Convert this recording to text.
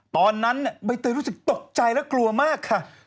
ตอนนั้นใบเตยรู้สึกตกใจและกลัวมากค่ะ